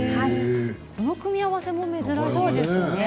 この組み合わせも珍しいですね。